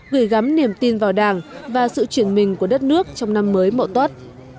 gửi gắm niềm tin vào đảng và sự chuyển mình của đất nước trong năm mới mộ tốt